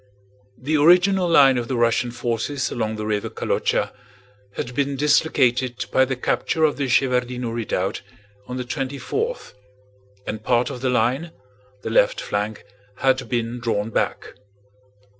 The original line of the Russian forces along the river Kolochá had been dislocated by the capture of the Shevárdino Redoubt on the twenty fourth, and part of the line—the left flank—had been drawn back.